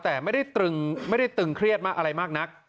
แต่ไม่ได้ตึงเครียดมากอะไรมากนัก